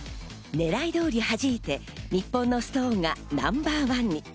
狙い通りはじいて、日本のストーンがナンバー１に。